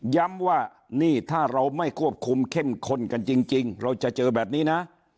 ย้ำว่านี่ถ้าเราไม่ควบคุมเข้มข้นกันจริงเราจะเจอแบบนี้นะ